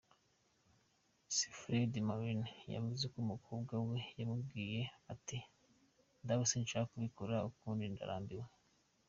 Se, Fredy maureira yavuze ko umukobwa we yamubwiye ati "Dawe, sinshaka kubikora ukundi, ndarambiwe.